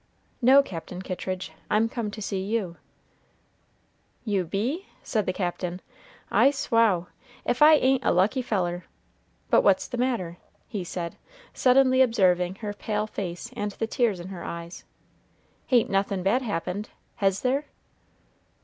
"No, Captain Kittridge, I'm come to see you." "You be?" said the Captain, "I swow! if I ain't a lucky feller. But what's the matter?" he said, suddenly observing her pale face and the tears in her eyes. "Hain't nothin' bad happened, hes there?"